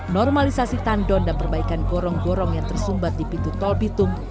normalisasi tandon dan perbaikan gorong gorong yang tersumbat di pintu tol bitung